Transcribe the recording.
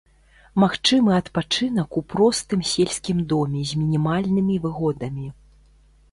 Магчымы адпачынак у простым сельскім доме з мінімальнымі выгодамі.